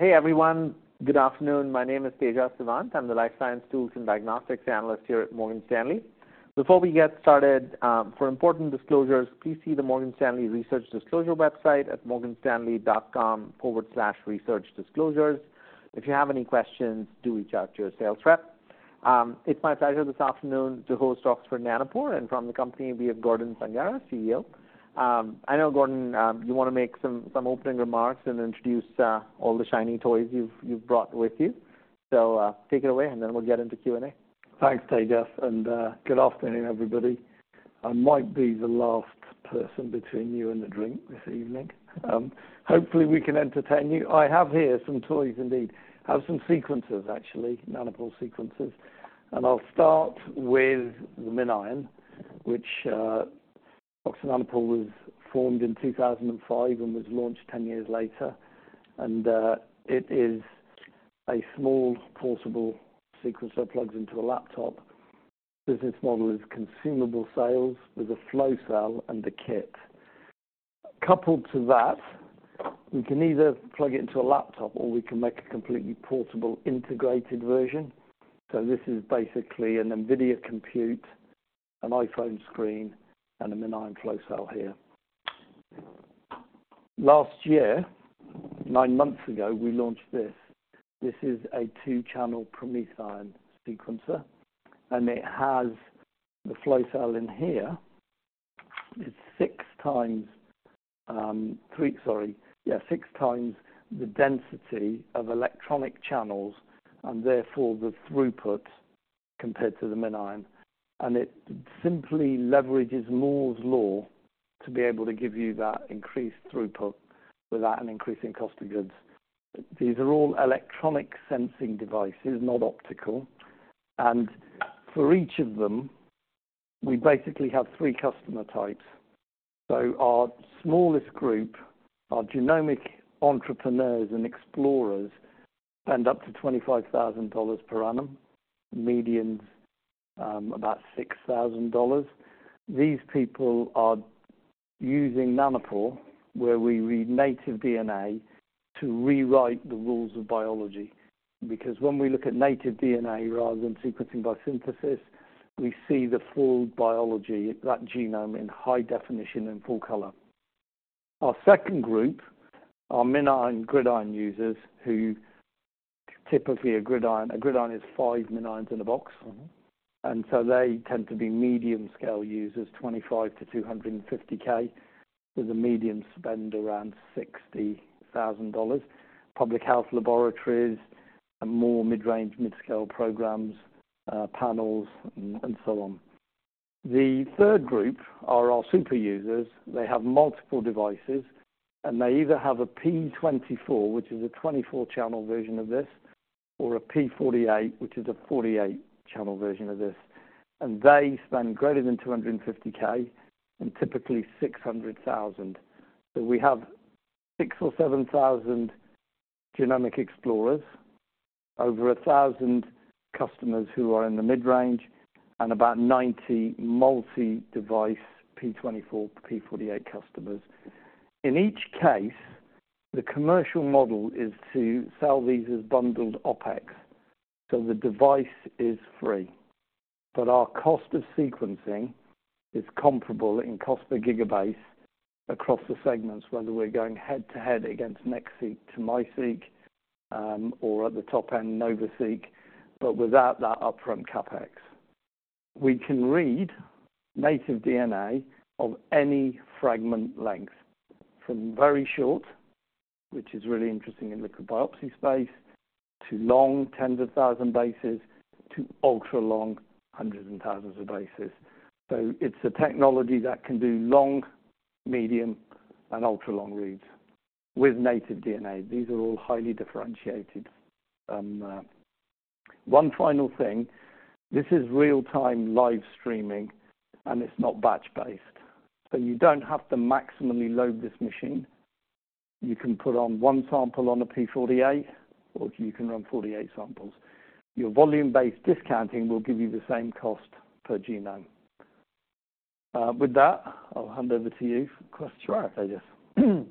Hey, everyone. Good afternoon. My name is Tejas Savant. I'm the life science tools and diagnostics analyst here at Morgan Stanley. Before we get started, for important disclosures, please see the Morgan Stanley Research Disclosure website at morganstanley.com/researchdisclosures. If you have any questions, do reach out to your sales rep. It's my pleasure this afternoon to host Oxford Nanopore, and from the company, we have Gordon Sanghera, CEO. I know, Gordon, you want to make some opening remarks and introduce all the shiny toys you've brought with you. So, take it away, and then we'll get into Q&A. Thanks, Tejas, and good afternoon, everybody. I might be the last person between you and the drink this evening. Hopefully, we can entertain you. I have here some toys indeed. I have some sequencers, actually, Nanopore sequencers. And I'll start with the MinION, which Oxford Nanopore was formed in 2005 and was launched 10 years later. And it is a small, portable sequencer, plugs into a laptop. Business model is consumable sales with a flow cell and a kit. Coupled to that, we can either plug it into a laptop or we can make a completely portable integrated version. So this is basically an NVIDIA compute, an iPhone screen, and a MinION flow cell here. Last year, nine months ago, we launched this. This is a two-channel PromethION sequencer, and it has the flow cell in here. It's six times the density of electronic channels and therefore the throughput compared to the MinION. And it simply leverages Moore's Law to be able to give you that increased throughput without an increase in cost of goods. These are all electronic sensing devices, not optical, and for each of them, we basically have three customer types. So our smallest group, our genomic entrepreneurs and explorers, spend up to $25,000 per annum, medians, about $6,000. These people are using Nanopore, where we read native DNA, to rewrite the rules of biology. Because when we look at native DNA rather than sequencing by synthesis, we see the full biology, that genome in high definition and full color. Our second group are MinION GridION users, who typically a GridION-- a GridION is five MinIONs in a box. So they tend to be medium-scale users, 25-250,000, with a median spend around $60,000. Public health laboratories and more mid-range, mid-scale programs, panels and so on. The third group are our super users. They have multiple devices, and they either have a P24, which is a 24-channel version of this, or a P48, which is a 48-channel version of this. They spend greater than 250,000 and typically $600,000. We have six or seven thousand genomic explorers, over 1,000 customers who are in the mid-range, and about 90 multi-device P24, P48 customers. In each case, the commercial model is to sell these as bundled OpEx, so the device is free. But our cost of sequencing is comparable in cost per gigabase across the segments, whether we're going head-to-head against NextSeq to MiSeq, or at the top end, NovaSeq, but without that upfront CapEx. We can read native DNA of any fragment length, from very short, which is really interesting in liquid biopsy space, to long, tens of thousands of bases, to ultra-long, hundreds and thousands of bases. So it's a technology that can do long, medium, and ultra-long reads with native DNA. These are all highly differentiated. One final thing, this is real-time live streaming, and it's not batch-based, so you don't have to maximally load this machine. You can put on one sample on a P48, or you can run 48 samples. Your volume-based discounting will give you the same cost per genome. With that, I'll hand over to you for questions. Sure. Tejas.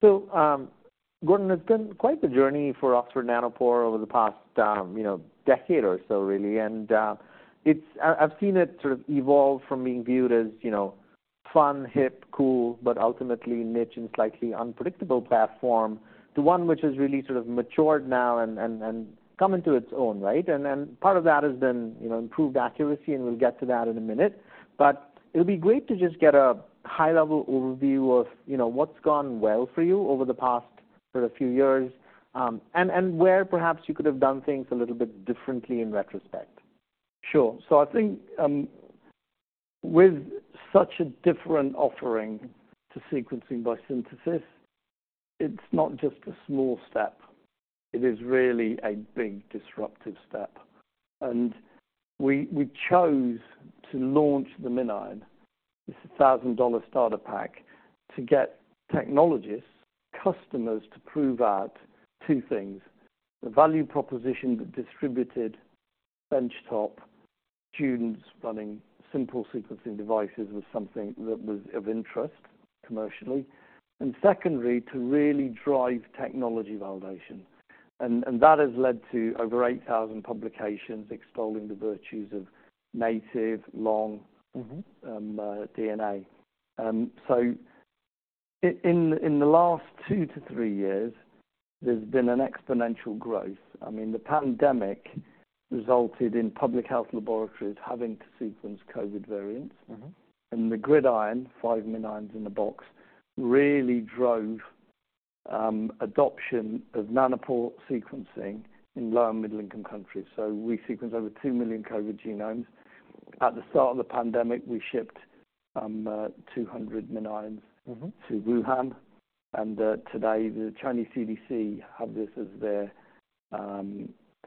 So, Gordon, it's been quite the journey for Oxford Nanopore over the past, you know, decade or so, really. And, I've seen it sort of evolve from being viewed as, you know, fun, hip, cool, but ultimately niche and slightly unpredictable platform, to one which has really sort of matured now and, and, and come into its own, right? And, and part of that has been, you know, improved accuracy, and we'll get to that in a minute. But it'll be great to just get a high-level overview of, you know, what's gone well for you over the past sort of few years, and, and where perhaps you could have done things a little bit differently in retrospect. Sure. So I think, with such a different offering to sequencing by synthesis, it's not just a small step. It is really a big disruptive step. And we, we chose to launch the MinION, this $1,000 starter pack, to get technologists, customers, to prove out two things: the value proposition, the distributed benchtop students running simple sequencing devices was something that was of interest commercially, and secondly, to really drive technology validation. And, and that has led to over 8,000 publications extolling the virtues of native long- Mm-hmm. DNA. And so in the last 2-3 years, there's been an exponential growth. I mean, the pandemic resulted in public health laboratories having to sequence COVID variants. Mm-hmm. The GridION, five MinIONs in the box, really drove adoption of nanopore sequencing in low- and middle-income countries. We sequenced over two million COVID genomes. At the start of the pandemic, we shipped 200 MinIONs- Mm-hmm -to Wuhan, and today, the Chinese CDC have this as their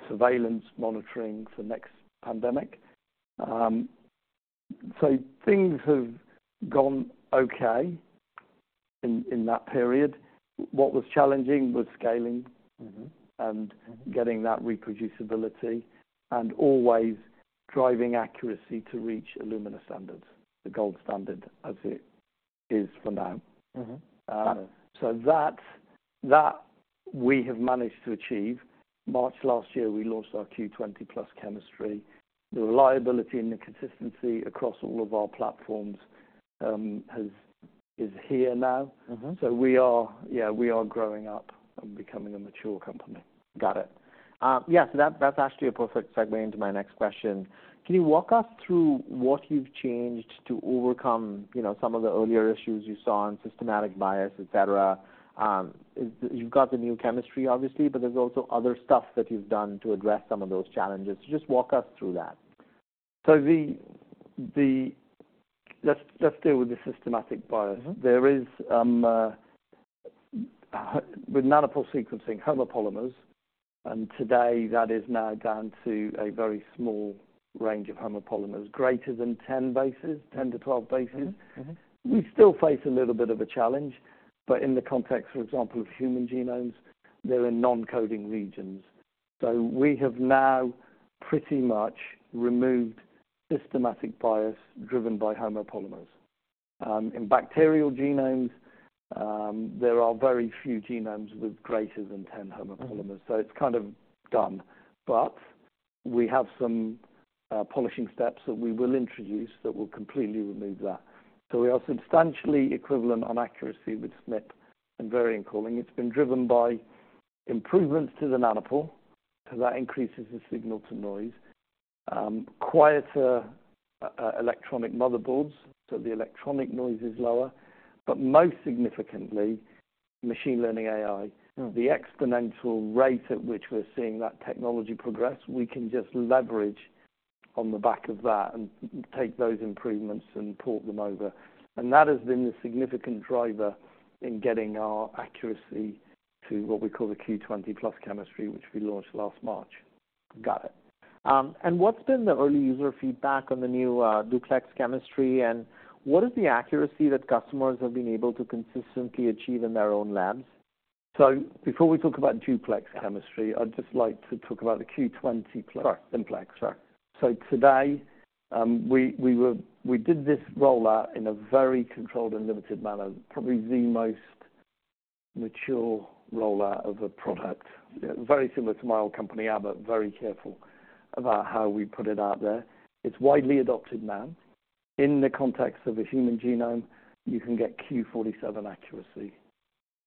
surveillance monitoring for next pandemic. So things have gone okay in that period. What was challenging was scaling- Mm-hmm And getting that reproducibility and always driving accuracy to reach Illumina standards, the gold standard as it is for now. Mm-hmm. So that we have managed to achieve. March last year, we launched our Q20+ chemistry. The reliability and the consistency across all of our platforms is here now. Mm-hmm. Yeah, we are growing up and becoming a mature company. Got it. Yeah, so that, that's actually a perfect segue into my next question. Can you walk us through what you've changed to overcome, you know, some of the earlier issues you saw on systematic bias, et cetera? You've got the new chemistry, obviously, but there's also other stuff that you've done to address some of those challenges. Just walk us through that. So the -- let's deal with the systematic bias. Mm-hmm. There is with Nanopore sequencing homopolymers, and today that is now down to a very small range of homopolymers, greater than 10 bases, 10-12 bases. Mm-hmm. Mm-hmm. We still face a little bit of a challenge, but in the context, for example, of human genomes, they're in non-coding regions. So we have now pretty much removed systematic bias driven by homopolymers. In bacterial genomes, there are very few genomes with greater than 10 homopolymers. Mm-hmm. So it's kind of done, but we have some polishing steps that we will introduce that will completely remove that. So we are substantially equivalent on accuracy with SBS and variant calling. It's been driven by improvements to the nanopore, because that increases the signal-to-noise. Quieter electronic motherboards, so the electronic noise is lower, but most significantly, machine learning AI. Mm. The exponential rate at which we're seeing that technology progress, we can just leverage on the back of that and take those improvements and port them over. That has been the significant driver in getting our accuracy to what we call the Q20+ chemistry, which we launched last March. Got it. And what's been the early user feedback on the new Duplex Chemistry, and what is the accuracy that customers have been able to consistently achieve in their own labs? Before we talk about Duplex Chemistry, I'd just like to talk about the Q20+- Sure -Simplex. Sure. So today, we did this rollout in a very controlled and limited manner, probably the most mature rollout of a product. Very similar to my old company, Abbott, very careful about how we put it out there. It's widely adopted now. In the context of a human genome, you can get Q47 accuracy.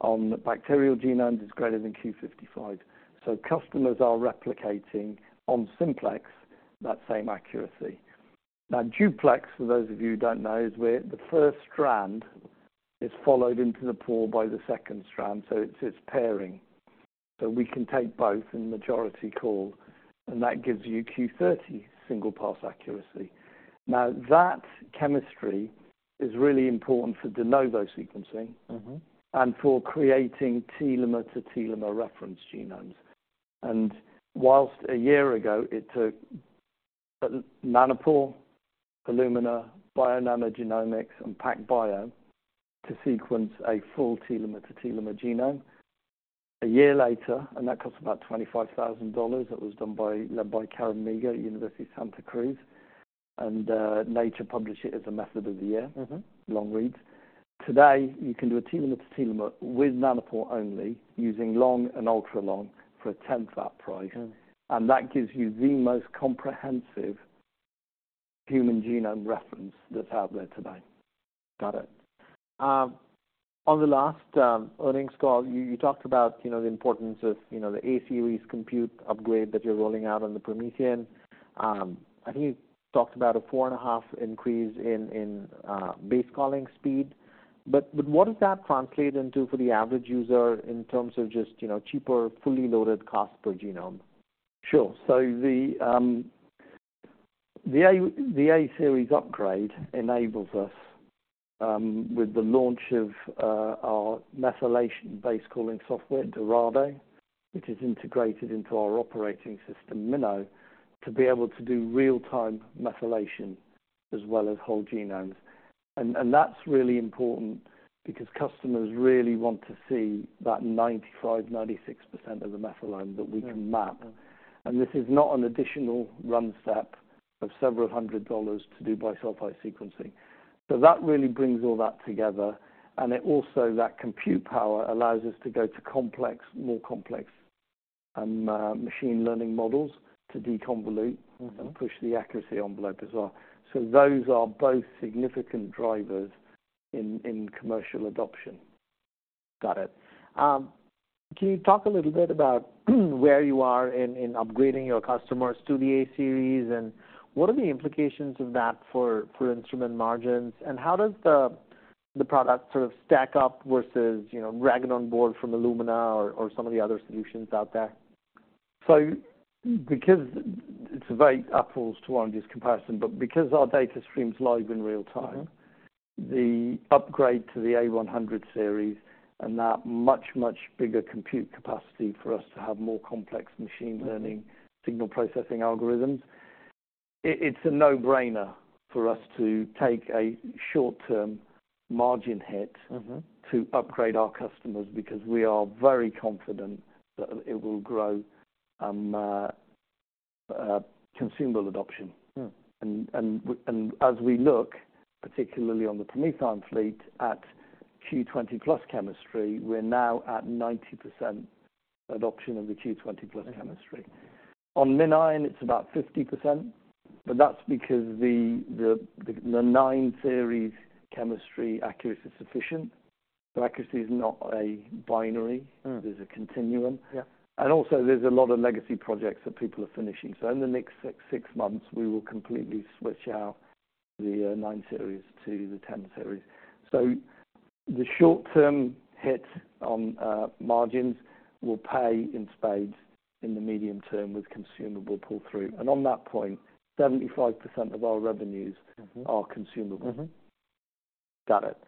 On the bacterial genomes, it's greater than Q55. So customers are replicating on Simplex that same accuracy. Now, Duplex, for those of you who don't know, is where the first strand is followed into the pool by the second strand, so it's pairing. So we can take both in majority call, and that gives you Q30 single-pass accuracy. Now, that chemistry is really important for de novo sequencing- Mm-hmm... and for creating telomere-to-telomere reference genomes. And while a year ago it took Nanopore, Illumina, Bionano Genomics, and PacBio to sequence a full telomere-to-telomere genome, a year later, and that cost about $25,000. It was done by, led by Karen Miga at University of California, Santa Cruz, and Nature published it as a Method of the Year. Mm-hmm. Long reads. Today, you can do a telomere-to-telomere with Nanopore only, using long and ultra-long, for a tenth of that price. Mm-hmm. That gives you the most comprehensive human genome reference that's out there today. Got it. On the last earnings call, you talked about, you know, the importance of, you know, the A Series compute upgrade that you're rolling out on the PromethION. I think you talked about a 4.5 increase in base calling speed. But what does that translate into for the average user in terms of just, you know, cheaper, fully loaded cost per genome? Sure. So the A series upgrade enables us, with the launch of, our methylation base calling software, Dorado, which is integrated into our operating system, MinKNOW, to be able to do real-time methylation... as well as whole genomes. And that's really important because customers really want to see that 95%-96% of the methylome that we can map. And this is not an additional run step of several hundred dollars to do bisulfite sequencing. So that really brings all that together, and it also, that compute power, allows us to go to more complex machine learning models to deconvolute- Mm-hmm. and push the accuracy envelope as well. So those are both significant drivers in commercial adoption. Got it. Can you talk a little bit about where you are in upgrading your customers to the R10 series, and what are the implications of that for instrument margins? And how does the product sort of stack up versus, you know, reagent on board from Illumina or some of the other solutions out there? Because it's very apples-to-oranges comparison, but because our data streams live in real time- Mm. the upgrade to the A100 series and that much, much bigger compute capacity for us to have more complex machine learning Mm. signal processing algorithms, it's a no-brainer for us to take a short-term margin hit. Mm-hmm. -to upgrade our customers because we are very confident that it will grow, consumable adoption. Hmm. As we look, particularly on the PromethION fleet, at Q20+ chemistry, we're now at 90% adoption of the Q20+ chemistry. On MinION, it's about 50%, but that's because the R9 series chemistry accuracy is sufficient. So accuracy is not a binary. Hmm. There's a continuum. Yeah. And also, there's a lot of legacy projects that people are finishing. In the next six months, we will completely switch out the 9 series to the 10 series. The short-term hit on margins will pay in spades in the medium term with consumable pull-through. And on that point, 75% of our revenues- Mm-hmm. -are consumable. Mm-hmm. Got it.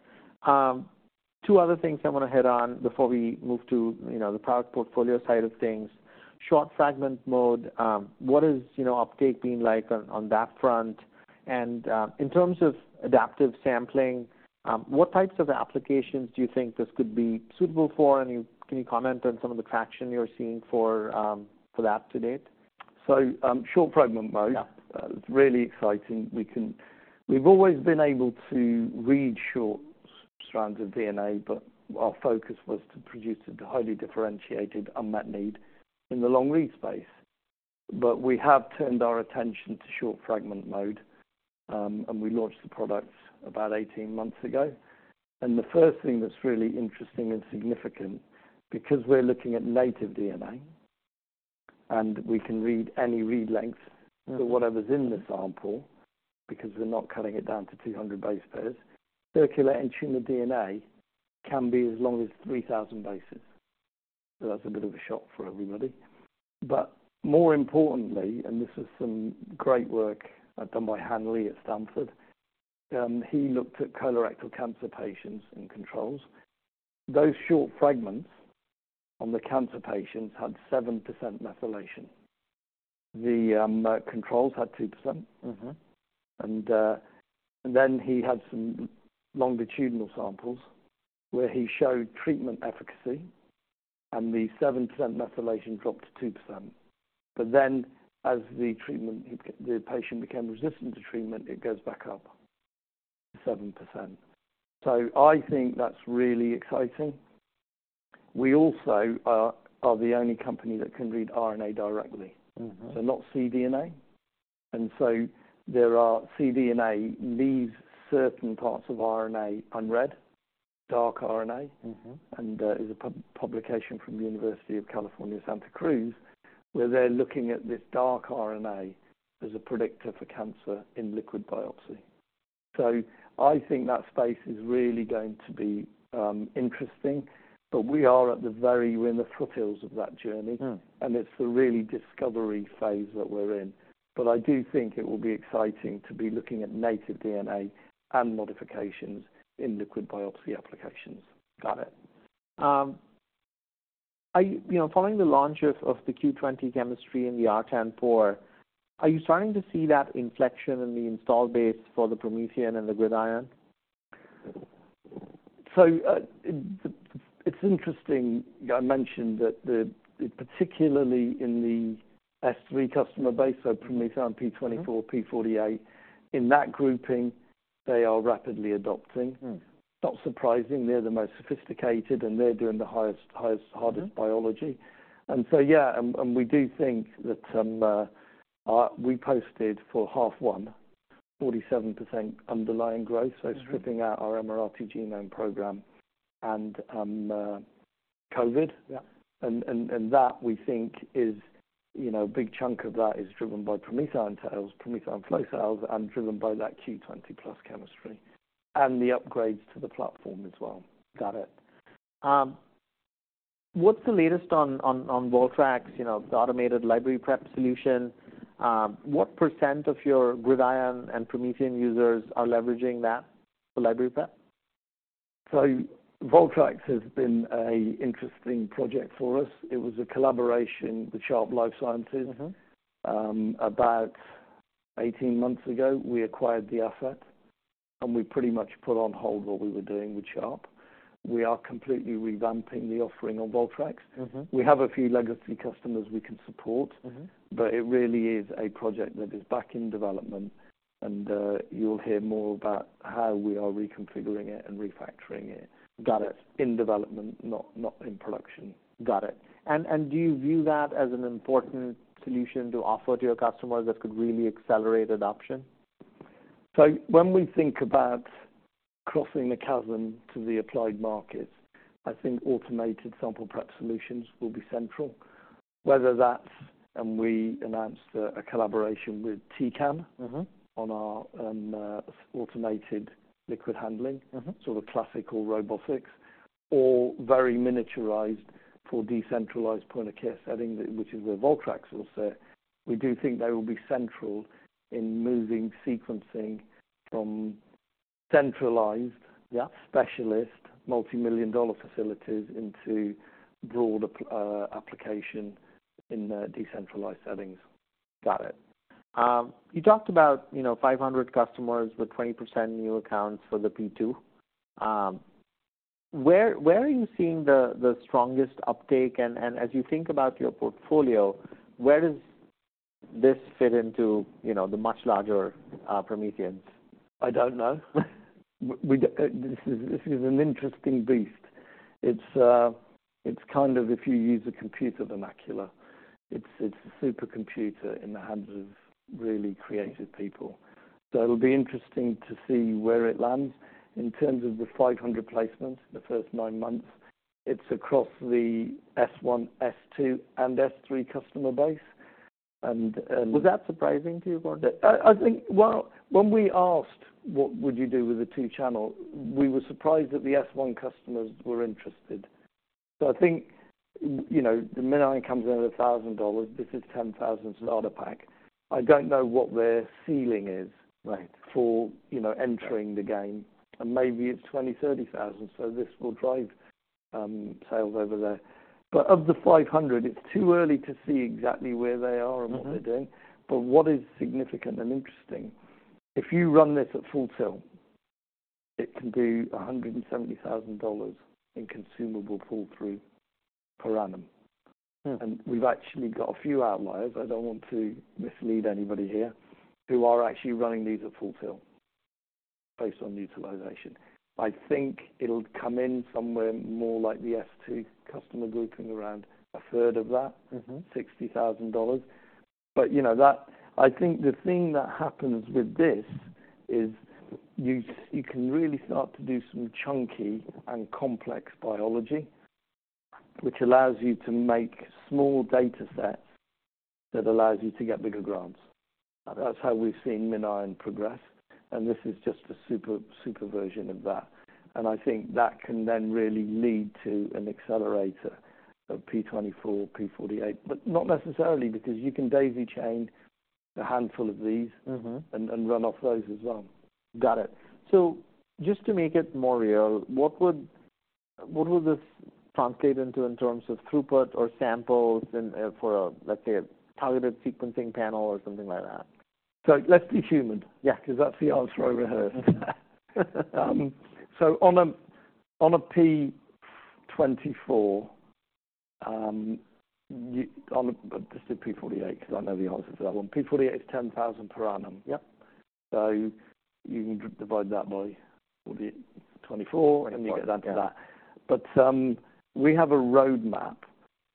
Two other things I want to hit on before we move to, you know, the product portfolio side of things. Short fragment mode, what is, you know, uptake been like on that front? And in terms of adaptive sampling, what types of applications do you think this could be suitable for? And can you comment on some of the traction you're seeing for that to date? Short fragment mode. Yeah. It's really exciting. We've always been able to read short strands of DNA, but our focus was to produce a highly differentiated unmet need in the long read space. But we have turned our attention to short fragment mode, and we launched the product about 18 months ago. The first thing that's really interesting and significant, because we're looking at native DNA, and we can read any read length- Mm. So whatever's in the sample, because we're not cutting it down to 200 base pairs, circulating tumor DNA can be as long as 3,000 bases. So that's a bit of a shock for everybody. But more importantly, and this is some great work done by Hanlee Ji at Stanford, he looked at colorectal cancer patients and controls. Those short fragments on the cancer patients had 7% methylation. The controls had 2%. Mm-hmm. Then he had some longitudinal samples where he showed treatment efficacy, and the 7% methylation dropped to 2%. But then, as the treatment... the patient became resistant to treatment, it goes back up to 7%. So I think that's really exciting. We also are the only company that can read RNA directly. Mm-hmm. So not cDNA. And so there are... cDNA leaves certain parts of RNA unread, dark RNA. Mm-hmm. And, there's a publication from the University of California, Santa Cruz, where they're looking at this dark RNA as a predictor for cancer in liquid biopsy. So I think that space is really going to be interesting, but we're in the foothills of that journey. Hmm. It's the really discovery phase that we're in. I do think it will be exciting to be looking at native DNA and modifications in liquid biopsy applications. Got it. Are you—you know, following the launch of the Q20 chemistry and the R10 pore, are you starting to see that inflection in the install base for the PromethION and the GridION? So, it's interesting. I mentioned that the, particularly in the S3 customer base, so PromethION P24- Mm. P48, in that grouping, they are rapidly adopting. Hmm. Not surprising. They're the most sophisticated, and they're doing the highest— Mm. -hardest biology. And so, yeah, and, and we do think that we posted for half one 47% underlying growth. Mm. So stripping out our Emirati Genome Program and COVID. Yeah. That, we think, is, you know, a big chunk of that is driven by PromethION sales, PromethION flow cells, and driven by that Q20+ chemistry, and the upgrades to the platform as well. Got it. What's the latest on VolTRAX, you know, the automated library prep solution? What % of your GridION and PromethION users are leveraging that for library prep?... So VolTRAX has been a interesting project for us. It was a collaboration with Sharp Life Sciences. About 18 months ago, we acquired the asset, and we pretty much put on hold what we were doing with Sharp. We are completely revamping the offering on VolTRAX. Mm-hmm. We have a few legacy customers we can support- Mm-hmm. -but it really is a project that is back in development, and, you'll hear more about how we are reconfiguring it and refactoring it. Got it. In development, not in production. Got it. And do you view that as an important solution to offer to your customers that could really accelerate adoption? So when we think about crossing the chasm to the applied markets, I think automated sample prep solutions will be central. Whether that's, and we announced a collaboration with Tecan- Mm-hmm -on our automated liquid handling. Mm-hmm. Sort of classical robotics or very miniaturized for decentralized point-of-care setting, which is where VolTRAX will sit. We do think they will be central in moving sequencing from centralized- Yeah specialist, multimillion-dollar facilities into broader application in the decentralized settings. Got it. You talked about, you know, 500 customers with 20% new accounts for the P2. Where are you seeing the strongest uptake? And as you think about your portfolio, where does this fit into, you know, the much larger PromethIONs? I don't know. This is, this is an interesting beast. It's, it's kind of if you use a computer vernacular, it's, it's a supercomputer in the hands of really creative people. So it'll be interesting to see where it lands. In terms of the 500 placements, the first nine months, it's across the S1, S2, and S3 customer base, and Was that surprising to you, Gordon? I think, well, when we asked, "What would you do with a 2-channel?" We were surprised that the S1 customers were interested. So I think, you know, the MinION comes in at $1,000. This is $10,000 dollar pack. I don't know what their ceiling is- Right... for, you know, entering the game, and maybe it's 20-30,000, so this will drive sales over there. But of the 500, it's too early to see exactly where they are and what they're doing. But what is significant and interesting, if you run this at full tilt, it can do $170,000 in consumable pull-through per annum. Hmm. We've actually got a few outliers, I don't want to mislead anybody here, who are actually running these at full tilt, based on utilization. I think it'll come in somewhere more like the S2 customer grouping, around a third of that- Mm-hmm. $60,000. But you know that. I think the thing that happens with this is you, you can really start to do some chunky and complex biology, which allows you to make small data sets that allows you to get bigger grants. That's how we've seen MinION progress, and this is just a super, super version of that. And I think that can then really lead to an accelerator of P24, P48, but not necessarily, because you can daisy chain a handful of these- Mm-hmm and run off those as well. Got it. So just to make it more real, what would, what would this translate into in terms of throughput or samples and for, let's say, a targeted sequencing panel or something like that? Let's be human. Yeah. Because that's the answer I rehearsed. So on a P24. Let's do P48, because I know the answer to that one. P48 is 10,000 per annum. Yep. So you can divide that by 24, and you get down to that. But we have a roadmap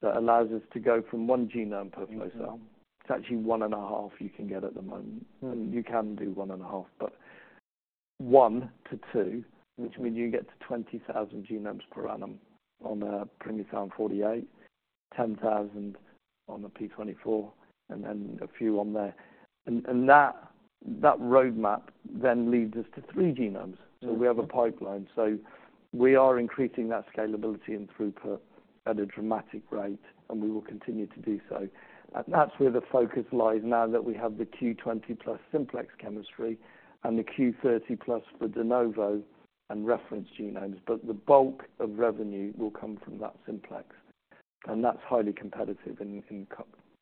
that allows us to go from one genome per flow cell. It's actually one and a half you can get at the moment, and you can do one and a half, but 1-2, which means you get to 20,000 genomes per annum on a PromethION 48, 10,000 on a P24, and then a few on there. And that roadmap then leads us to three genomes. Mm. We have a pipeline. We are increasing that scalability and throughput at a dramatic rate, and we will continue to do so. That's where the focus lies now that we have the Q20+ Simplex chemistry and the Q30+ for de novo and reference genomes, but the bulk of revenue will come from that Simplex, and that's highly competitive in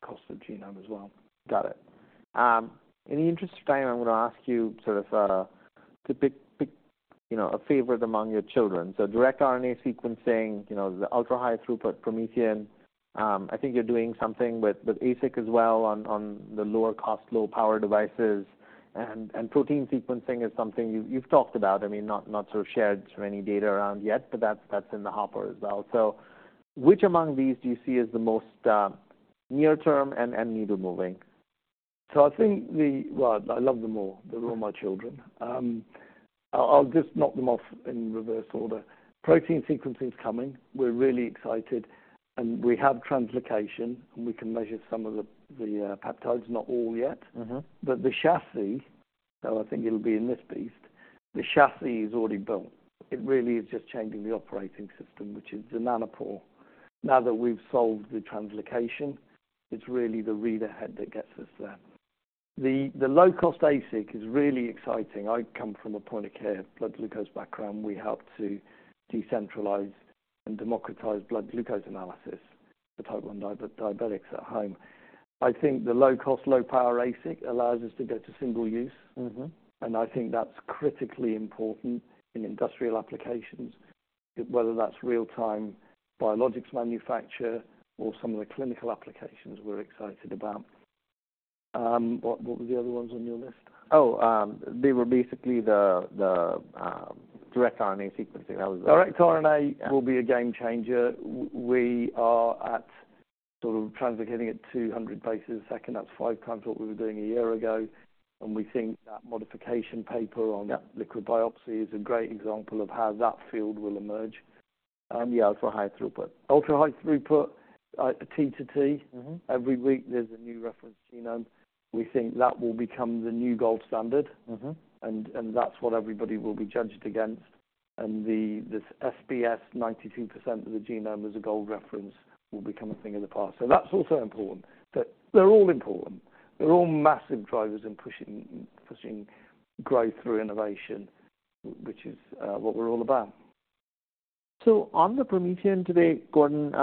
cost of genome as well. Got it. In the interest of time, I'm going to ask you sort of to pick, pick, you know, a favorite among your children. So direct RNA sequencing, you know, the ultra-high throughput PromethION. I think you're doing something with, with ASIC as well on, on the lower cost, low power devices. And, and protein sequencing is something you've, you've talked about, I mean, not, not so shared so any data around yet, but that's, that's in the hopper as well. So which among these do you see as the most, near term and, and needle moving? Well, I love them all. They're all my children. I'll just knock them off in reverse order. Protein sequencing is coming. We're really excited, and we have translocation, and we can measure some of the peptides, not all yet. Mm-hmm. But the chassis, so I think it'll be in this beast, the chassis is already built. It really is just changing the operating system, which is the nanopore. Now that we've solved the translocation, it's really the reader head that gets us there. The low-cost ASIC is really exciting. I come from a point-of-care blood glucose background. We help to decentralize and democratize blood glucose analysis for type 1 diabetics at home. I think the low-cost, low-power ASIC allows us to get to single use. Mm-hmm. I think that's critically important in industrial applications, whether that's real-time biologics manufacture or some of the clinical applications we're excited about. What, what were the other ones on your list? Oh, they were basically the direct RNA sequencing. That was- Direct RNA will be a game changer. We are at sort of translocating at 200 bases a second. That's five times what we were doing a year ago, and we think that methylation paper on that liquid biopsy is a great example of how that field will emerge. Yeah, ultra-high throughput. Ultra-high throughput, T to T. Mm-hmm. Every week there's a new reference genome. We think that will become the new gold standard. Mm-hmm. And that's what everybody will be judged against. And this SBS, 92% of the genome as a gold reference, will become a thing of the past. So that's also important. But they're all important. They're all massive drivers in pushing growth through innovation, which is what we're all about. On the PromethION today, Gordon,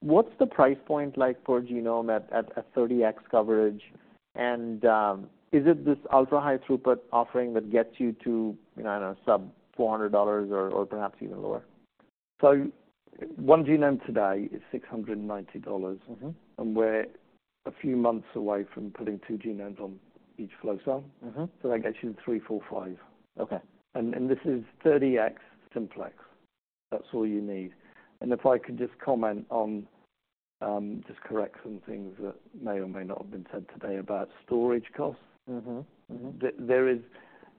what's the price point like for genome at 30x coverage? And, is it this ultra-high throughput offering that gets you to, you know, I don't know, sub-$400 or perhaps even lower? One genome today is $690. Mm-hmm. We're a few months away from putting two genomes on each flow cell. Mm-hmm. That gets you three, four, five. Okay. This is 30x simplex. That's all you need. And if I could just comment on, just correct some things that may or may not have been said today about storage costs. Mm-hmm, mm-hmm. There is.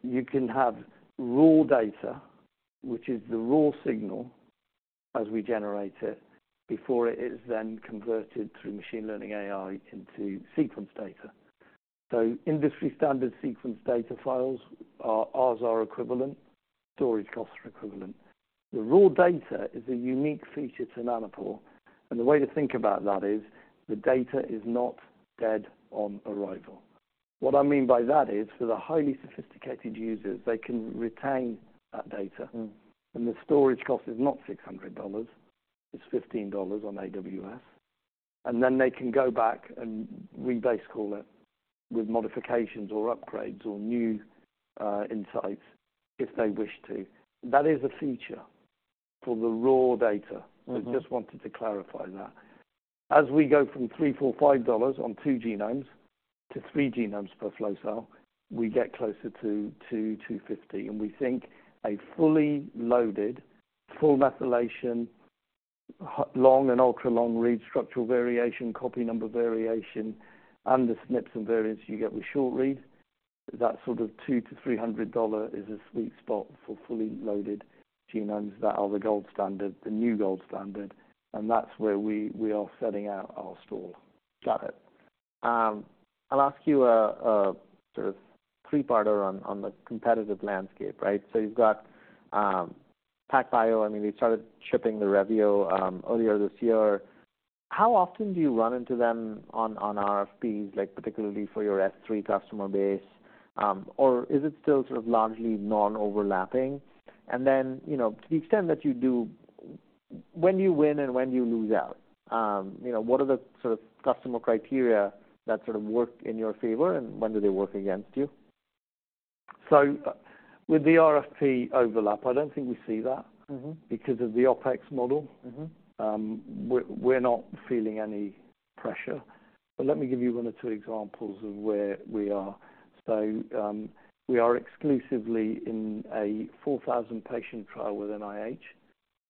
You can have raw data, which is the raw signal as we generate it, before it is then converted through machine learning AI into sequence data. So, industry standard sequence data files are. Ours are equivalent. Storage costs are equivalent. The raw data is a unique feature to Nanopore, and the way to think about that is, the data is not dead on arrival. What I mean by that is, for the highly sophisticated users, they can retain that data. Hmm. The storage cost is not $600, it's $15 on AWS. Then they can go back and re-basecall it with modifications or upgrades or new insights if they wish to. That is a feature for the raw data. Mm-hmm. I just wanted to clarify that. As we go from $3, $4, $5 on two genomes to three genomes per flow cell, we get closer to $2-$2.50. And we think a fully loaded, full methylation, hot long and ultra-long read structural variation, copy number variation, and the SNPs and variants you get with short read, that sort of $200-$300 is a sweet spot for fully loaded genomes that are the gold standard, the new gold standard, and that's where we, we are setting out our stall. Got it. I'll ask you a sort of three parter on the competitive landscape, right? So you've got PacBio, I mean, they started shipping the Revio earlier this year. How often do you run into them on RFPs, like particularly for your S3 customer base? Or is it still sort of largely non-overlapping? And then, you know, to the extent that you do, when do you win and when do you lose out? You know, what are the sort of customer criteria that sort of work in your favor, and when do they work against you? With the RFP overlap, I don't think we see that- Mm-hmm... Because of the OpEx model. Mm-hmm. We're not feeling any pressure. But let me give you one or two examples of where we are. So, we are exclusively in a 4,000-patient trial with NIH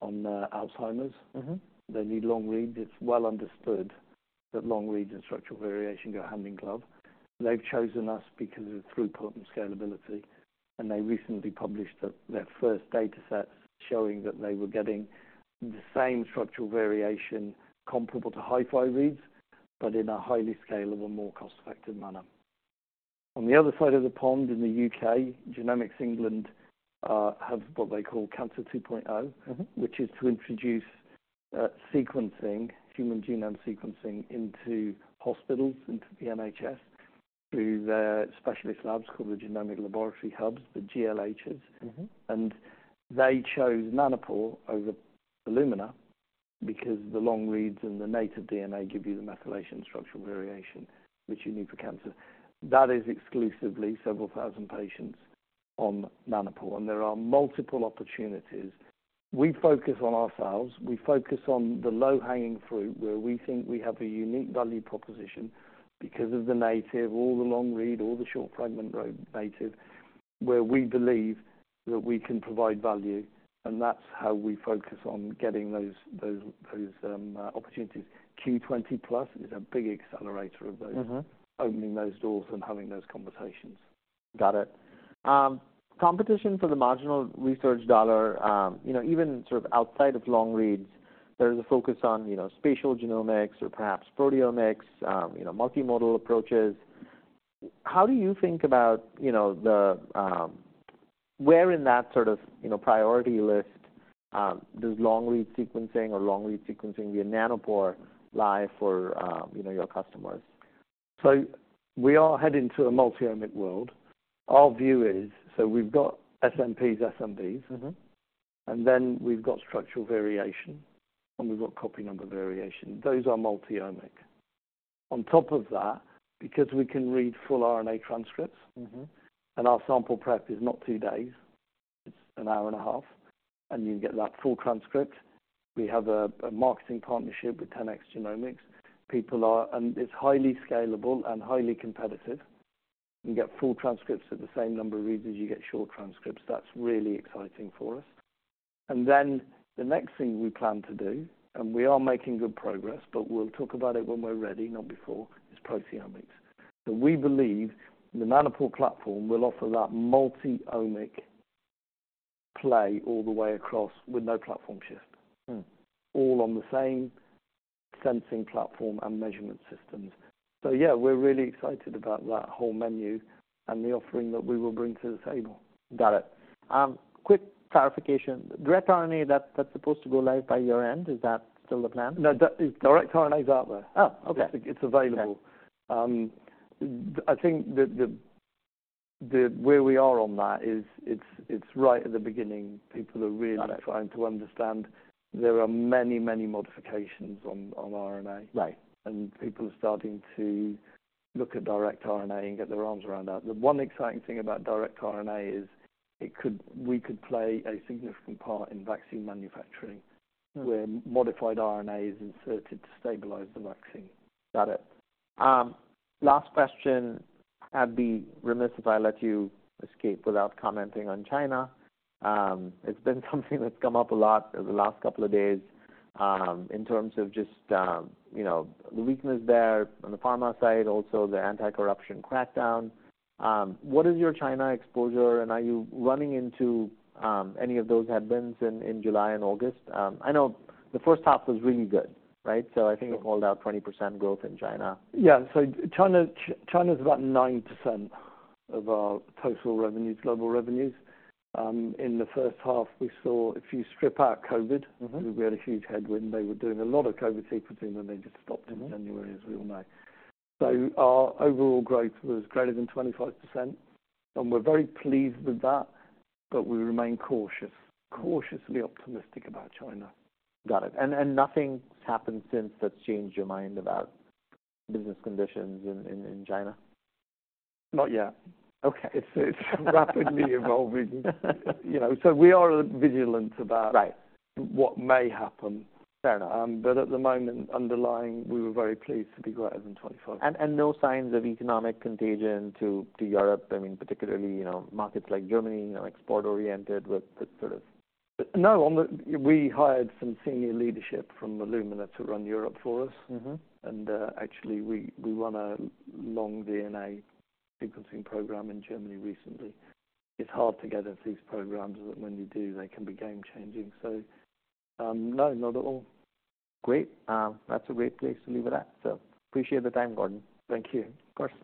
on Alzheimer's. Mm-hmm. They need long reads. It's well understood that long reads and structural variation go hand in glove. They've chosen us because of throughput and scalability, and they recently published their first data set showing that they were getting the same structural variation comparable to HiFi reads, but in a highly scalable and more cost-effective manner. On the other side of the pond, in the U.K., Genomics England have what they call Cancer 2.0. Mm-hmm. Which is to introduce sequencing, human genome sequencing into hospitals, into the NHS, through their specialist labs called the Genomic Laboratory Hubs, the GLHs. Mm-hmm. They chose Nanopore over Illumina because the long reads and the native DNA give you the methylation structural variation, which you need for cancer. That is exclusively several thousand patients on Nanopore, and there are multiple opportunities. We focus on ourselves, we focus on the low-hanging fruit, where we think we have a unique value proposition because of the native, all the long read, all the short fragment native, where we believe that we can provide value, and that's how we focus on getting those opportunities. Q20+ is a big accelerator of those- Mm-hmm ... Opening those doors and having those conversations. Got it. Competition for the marginal research dollar, you know, even sort of outside of long reads, there is a focus on, you know, spatial genomics or perhaps proteomics, you know, multimodal approaches. How do you think about, you know, the where in that sort of, you know, priority list does long-read sequencing or long-read sequencing via Nanopore lie for, you know, your customers? We are heading to a multi-omics world. Our view is, so we've got SNPs, SMBs. Mm-hmm. And then we've got structural variation, and we've got copy number variation. Those are multi-omic. On top of that, because we can read full RNA transcripts- Mm-hmm. And our sample prep is not two days, it's an hour and a half, and you get that full transcript. We have a marketing partnership with 10x Genomics. People are, and it's highly scalable and highly competitive. You get full transcripts at the same number of reads as you get short transcripts. That's really exciting for us. And then the next thing we plan to do, and we are making good progress, but we'll talk about it when we're ready, not before, is proteomics. So we believe the Nanopore platform will offer that multi-omic play all the way across with no platform shift. Hmm. All on the same sensing platform and measurement systems. So yeah, we're really excited about that whole menu and the offering that we will bring to the table. Got it. Quick clarification. Direct RNA, that's, that's supposed to go live by year-end. Is that still the plan? No, that is direct RNA is out there. Oh, okay. It's available. Okay. I think where we are on that is it's right at the beginning. People are really- Got it... trying to understand. There are many, many modifications on, on RNA. Right. People are starting to look at direct RNA and get their arms around that. The one exciting thing about direct RNA is we could play a significant part in vaccine manufacturing- Hmm where modified RNA is inserted to stabilize the vaccine. Got it. Last question, I'd be remiss if I let you escape without commenting on China. It's been something that's come up a lot over the last couple of days, in terms of just, you know, the weakness there on the pharma side, also the anti-corruption crackdown. What is your China exposure, and are you running into any of those headwinds in July and August? I know the first half was really good, right? So I think you called out 20% growth in China. Yeah. So China, China is about 9% of our total revenues, global revenues. In the first half, we saw if you strip out COVID- Mm-hmm We had a huge headwind. They were doing a lot of COVID sequencing, and they just stopped in January, as we all know. So our overall growth was greater than 25%, and we're very pleased with that, but we remain cautious, cautiously optimistic about China. Got it. And nothing's happened since that's changed your mind about business conditions in China? Not yet. Okay. It's rapidly evolving, you know, so we are vigilant about- Right what may happen. Fair enough. But at the moment, underlying, we were very pleased to be greater than 25. No signs of economic contagion to Europe. I mean, particularly, you know, markets like Germany are export-oriented with the sort of- No, we hired some senior leadership from Illumina to run Europe for us. Mm-hmm. Actually, we won a long DNA sequencing program in Germany recently. It's hard to get at these programs, and when you do, they can be game-changing. No, not at all. Great. That's a great place to leave it at. So appreciate the time, Gordon. Thank you. Of course.